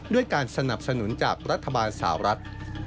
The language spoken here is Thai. ด้วยการสนับสนุนจากรัฐบาลสาวรัฐ